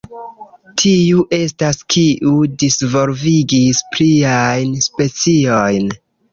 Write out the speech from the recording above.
Tiu estas kiu disvolvigis pliajn speciojn.